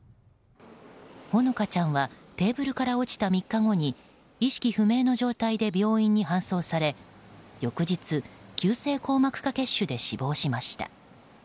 ほのかちゃんはテーブルから落ちた３日後に意識不明の状態で病院に搬送され翌日、急性硬膜下血腫で死亡しました。